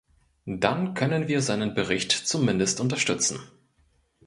Dann können wir seinen Bericht zumindest unterstützen.